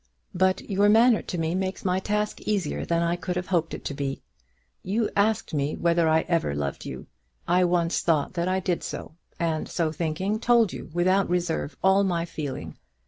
"But your manner to me makes my task easier than I could have hoped it to be. You asked me whether I ever loved you? I once thought that I did so; and so thinking, told you, without reserve, all my feeling.